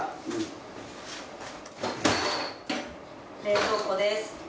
冷蔵庫です。